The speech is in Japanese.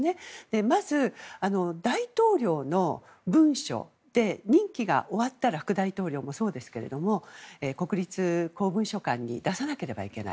まず、大統領の文書で任期が終わったら副大統領もそうですけれども国立公文書館に出さなければいけない。